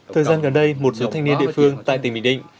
thời gian gần đây một số thanh niên địa phương tại tỉnh bình định